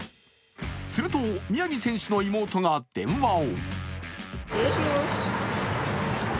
すると宮城選手の妹が電話を。